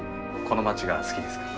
この街が好きですか？